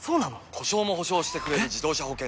故障も補償してくれる自動車保険といえば？